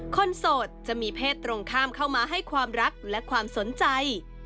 โสดจะมีเพศตรงข้ามเข้ามาให้ความรักและความสนใจ